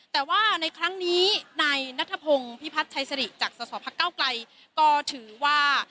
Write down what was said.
แต่ว่าในครั้งนี้นายนัทพงศ์พิพัฒน์ชัยสริจากสสพักเก้าไกลก็ถือว่า